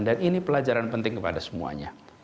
dan ini pelajaran penting kepada semuanya